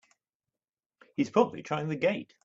He's probably trying the gate!